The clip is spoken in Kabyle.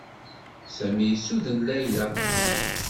Sami yessuden Layla.